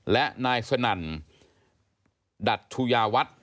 และนายสนั่นดัชุยาวัฒน์